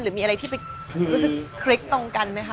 หรือมีอะไรที่ไปคลิกตรงกันไหมคะ